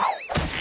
あ！